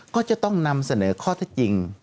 ก็จะต้องนำเสนอข้อเท็จจริง